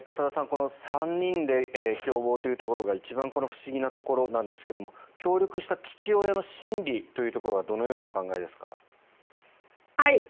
この３人で共謀というところが一番この不思議なところなんですが協力した父親の心理はどのようにお考えですか。